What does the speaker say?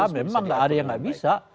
nah memang enggak ada yang enggak bisa